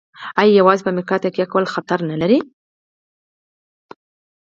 آیا یوازې په امریکا تکیه کول خطر نلري؟